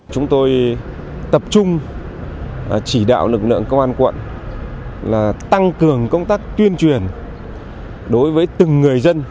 chúng tôi tập trung chỉ đạo lực lượng công an quận tăng cường công tác tuyên truyền đối với từng người dân